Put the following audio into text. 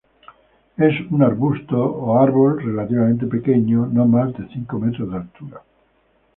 Es un arbusto, o árbol relativamente pequeño, no más de cinco metros de altura.